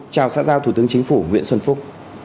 chào xã giao thủ tướng chính phủ nguyễn xuân phúc